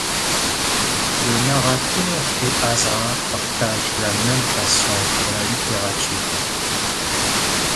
Le narrateur et Azra partagent la même passion pour la littérature.